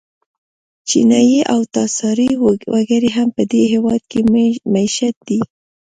چینایي او تاتاري وګړي هم په دې هېواد کې مېشت دي.